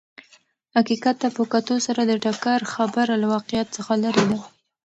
حقیقت ته په کتو سره د ټکر خبره له واقعیت څخه لرې ده.